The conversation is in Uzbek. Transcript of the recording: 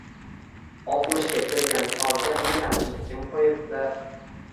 Oltmishga kirgan cholga uylanishni kim qo`yibdi